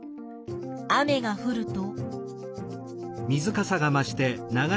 雨がふると。